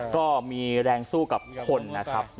ก็มีแรงสู้กับคนนะครับ